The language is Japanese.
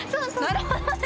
なるほどね。